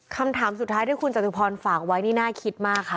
คำถามสุดท้ายที่คุณจตุพรฝากไว้นี่น่าคิดมากค่ะ